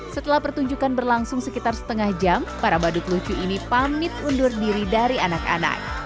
setelah pertunjukan berlangsung sekitar setengah jam para badut lucu ini pamit undur diri dari anak anak